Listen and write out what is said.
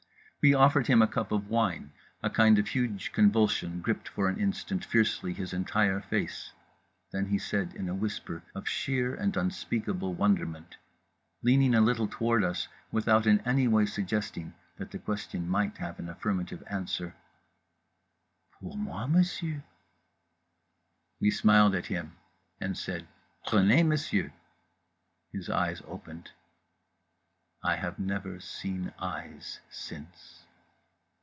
We offered him a cup of wine. A kind of huge convulsion gripped, for an instant, fiercely his entire face: then he said in a whisper of sheer and unspeakable wonderment, leaning a little toward us without in any way suggesting that the question might have an affirmative answer, "pour moi, monsieur?" We smiled at him and said "Prenez, monsieur." His eyes opened. I have never seen eyes since.